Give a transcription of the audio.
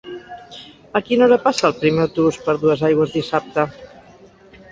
A quina hora passa el primer autobús per Duesaigües dissabte?